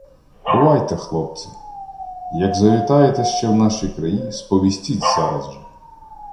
— Бувайте, хлопці! Як завітаєте ще в наші краї, сповістіть зараз же.